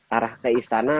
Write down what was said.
arah ke istana